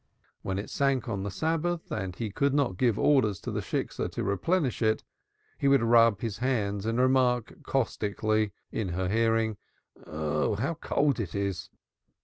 When it sank on the Sabbath he could not give orders to the Shiksah to replenish it, but he would rub his hands and remark casually (in her hearing), "Ah, how cold it is!"